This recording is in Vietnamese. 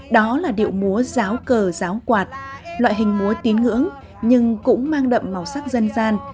đó là điệu múa giáo cờ giáo quạt loại hình múa tín ngưỡng nhưng cũng mang đậm màu sắc dân gian